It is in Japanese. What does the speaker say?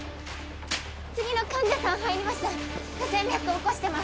次の患者さん入ります不整脈を起こしてます